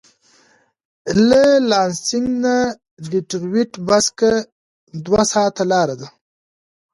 له لانسېنګ تر ډیترویت بس کې دوه ساعته لاره ده.